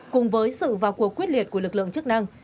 cùng với sự vào cuộc quyết liệt của lực lượng chức năng